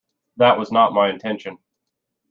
That was not my intention.